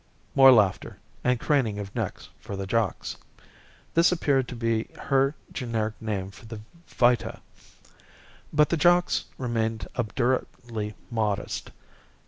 More laughter, and craning of necks for the Jocks. This appeared to be her generic name for the vita. But the Jocks remained obdurately modest.